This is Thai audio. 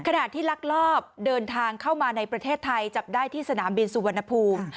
ขณะที่ลักลอบเดินทางเข้ามาในประเทศไทยจับได้ที่สนามบินสุวรรณภูมิ